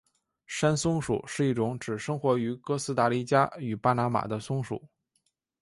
山松鼠是一种只生活于哥斯大黎加与巴拿马的松鼠。